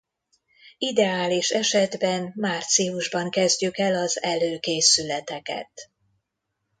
Ideális esetben márciusban kezdjük el az előkészületeket.